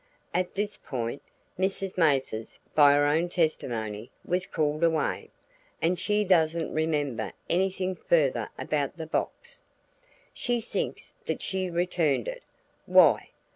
At this point, Mrs. Mathers by her own testimony was called away, and she doesn't remember anything further about the box. She thinks that she returned it. Why?